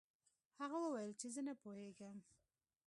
هغه وویل چې زه نه پوهیږم.